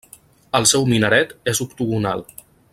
El seu minaret és octogonal.